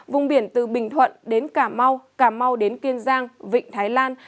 vùng biển từ bình thuận đến cà mau cà mau đến kiên giang vịnh thái lan